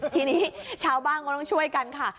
ทีนี้ชาวบ้านก็ต้องช่วยกันค่ะ